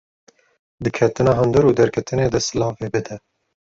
Di Ketina hundir û derketinê de silavê bide